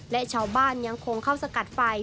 และชาวบ้านยังคงเข้าสกัดไฟ